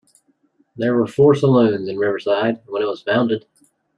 There were four saloons in Riverside when it was founded.